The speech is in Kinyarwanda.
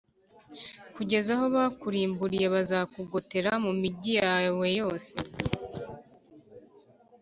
kugeza aho bakurimburiyebazakugotera mu migi yawe yose